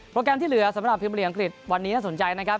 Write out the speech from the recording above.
แกรมที่เหลือสำหรับพิมพลีอังกฤษวันนี้น่าสนใจนะครับ